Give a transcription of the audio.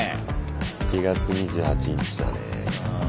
７月２８日だね。